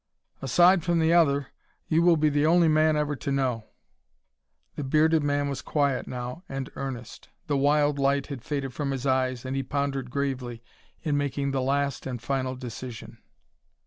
"Aside from one other, you will be the only man ever to know." The bearded man was quiet now and earnest. The wild light had faded from his eyes, and he pondered gravely in making the last and final decision.